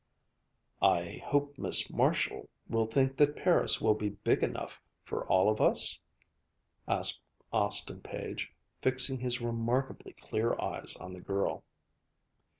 "I hope Miss Marshall will think that Paris will be big enough for all of us?" asked Austin Page, fixing his remarkably clear eyes on the girl.